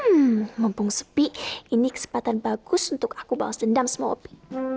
hmm mumpung sepi ini kesempatan bagus untuk aku bawa sendam sama wopi